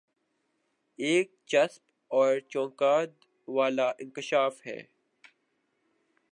ایک چسپ اور چونکا د والا انکشاف ہے